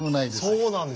そうなんですね。